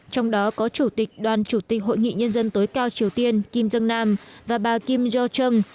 trong đó có chủ tịch đoàn chủ tịch hội nghị nhân dân tối cao triều tiên kim jong nam và bà kim jong